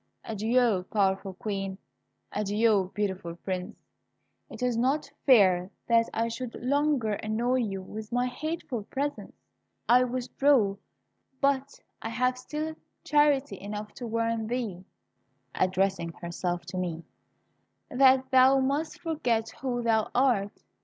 Adieu, powerful Queen; adieu, beautiful Prince; it is not fair that I should longer annoy you with my hateful presence. I withdraw; but I have still charity enough to warn thee," addressing herself to me, "that thou must forget who thou art.